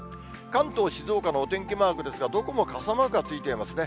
関東、静岡のお天気マークですが、どこも傘マークがついていますね。